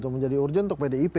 menjadi urgent untuk pdip